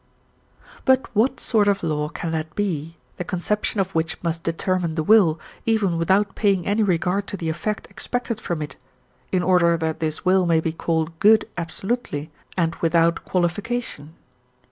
But what sort of law can that be, the conception of which must determine the will, even without paying any regard to the effect expected from it, in order that this will may be called good absolutely and without qualification?